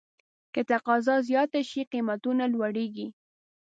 که تقاضا زیاته شي، قیمتونه لوړېږي.